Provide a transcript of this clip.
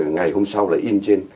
ngày hôm sau là in trên